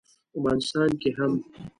افغانستان کې هم